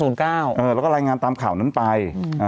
แล้วก็รายงานตามข่าวนั้นไป